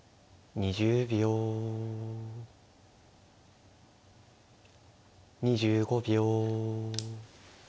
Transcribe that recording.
２５秒。